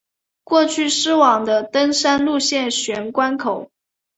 过去是往的登山路线玄关口。